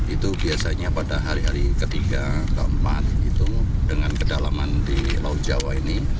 itu biasanya pada hari hari ketiga keempat gitu dengan kedalaman di laut jawa ini